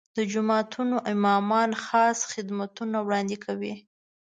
د جوماتونو امامان خاص خدمتونه وړاندې کوي.